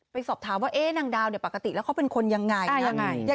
ไปสอบถามว่านางดาวเนี่ยปกติแล้วเขาเป็นคนยังไง